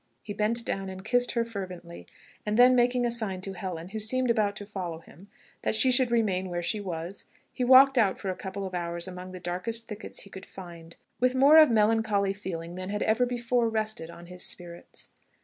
He bent down and kissed her fervently; and then making a sign to Helen, who seemed about to follow him, that she should remain where she was, he walked out for a couple of hours among the darkest thickets he could find, with more of melancholy feeling than had ever before rested on his spirits.